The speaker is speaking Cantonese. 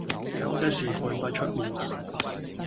有的是看不出面貌，